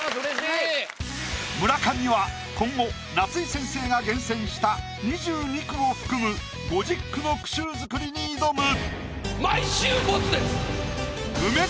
村上は今後夏井先生が厳選した２２句を含む５０句の句集作りに挑む。